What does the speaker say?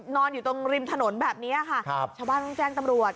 นอนอยู่ตรงริมถนนแบบนี้ค่ะชาวบ้านต้องแจ้งตำรวจ